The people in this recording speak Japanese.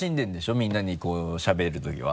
みんなにしゃべるときは。